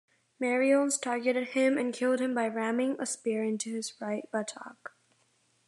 Meriones targeted him and killed him by ramming a spear into his right buttock.